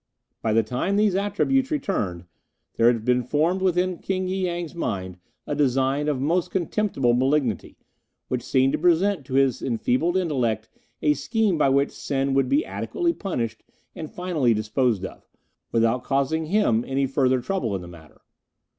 By the time these attributes returned there had formed itself within King y Yang's mind a design of most contemptible malignity, which seemed to present to his enfeebled intellect a scheme by which Sen would be adequately punished, and finally disposed of, without causing him any further trouble in the matter.